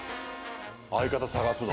相方、探すの？